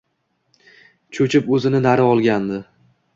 Cho‘chib o‘zini nari olgandi